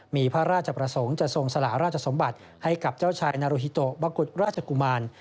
มีพระราชประสงค์จะทรงสละราชสมบัติให้กับเจ้าชายนาโรฮิโตบะกุฎราชกุมาร